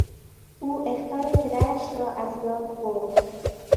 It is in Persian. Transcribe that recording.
او اخطار پدرش را از یاد برد.